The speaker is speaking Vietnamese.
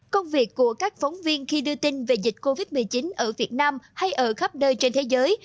công việc của các phóng viên khi đưa tin về dịch covid một mươi chín ở việt nam hay ở khắp nơi trên thế giới